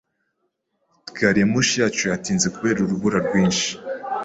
Gari ya moshi yacu yatinze kubera urubura rwinshi.